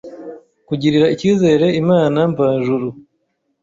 Kugirira Icyizere Inama Mvajuru